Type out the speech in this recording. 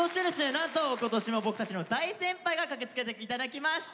なんと今年も僕たちの大先輩が駆けつけて頂きました。